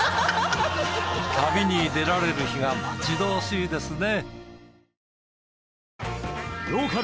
旅に出られる日が待ち遠しいですね。